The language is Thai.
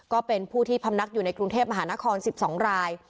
ก็เป็นผู้ที่พำนักอยู่ในกรุงเทพมหานคร๑๒ราย